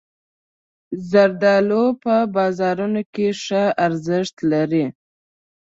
زردالو په بازارونو کې ښه ارزښت لري.